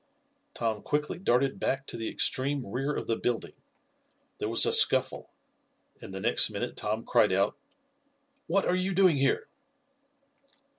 Tom quickly darted back to the extreme rear of the building. There was a scuffle, and the next minute Tom cried out: "What are you doing here?"